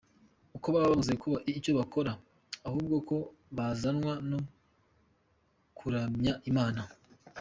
uko baba babuze icyo bakora ahubwo ko bazanwa no kuramya Imana.